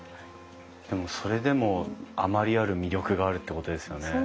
でもそれでも余りある魅力があるってことですよね。